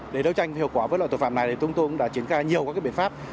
để đấu tranh hiệu quả với loại tội phạm này chúng tôi cũng đã triển khai nhiều các biện pháp